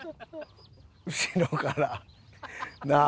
後ろからなあ！